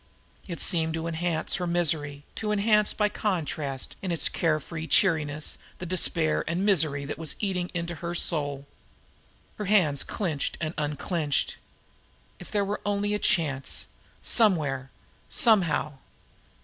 It seemed to enhance her misery, to enhance by contrast in its care free cheeriness the despair and misery that were eating into her soul. Her hands clenched and unclenched. If there were only a chance somewhere somehow!